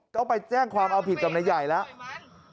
ต้องไปแจ้งความเอาผิดกับนายใหญ่แล้ว